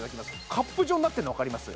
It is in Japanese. カップ状になってるのわかります？